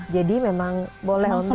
jadi memang boleh untuk mendapatkan